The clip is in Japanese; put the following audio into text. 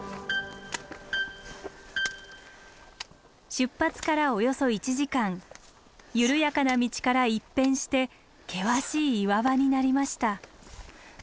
出発からおよそ１時間緩やかな道から一変して険しい岩場になりました。